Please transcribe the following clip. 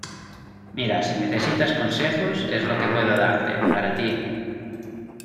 mira, si necesitas consejos , es lo que puedo darte , para ti.